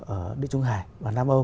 ở địa chung hải và nam âu